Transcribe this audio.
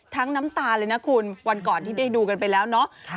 น้ำตาเลยนะคุณวันก่อนที่ได้ดูกันไปแล้วเนาะ